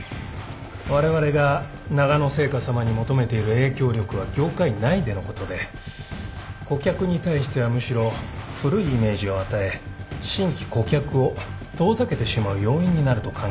われわれがながの製菓さまに求めている影響力は業界内でのことで顧客に対してはむしろ古いイメージを与え新規顧客を遠ざけてしまう要因になると考えております。